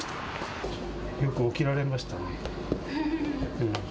よく起きられましたね。